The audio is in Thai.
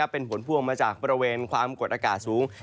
เป็นผลพวงมาจากบริเวณความกดอากาศสูง